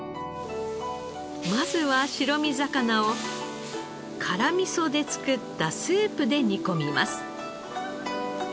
まずは白身魚を辛味噌で作ったスープで煮込みます。